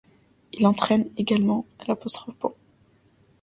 Il entraîne également l'.